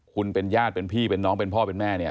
คุณเป็นญาติเป็นพี่เป็นน้องเป็นพ่อเป็นแม่เนี่ย